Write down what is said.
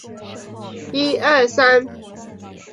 直指封建官僚胥吏习性与官场黑暗腐败。